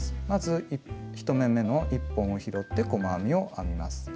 まず１目めの１本を拾って細編みを編みます。